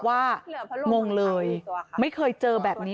เจ้าของห้องเช่าโพสต์คลิปนี้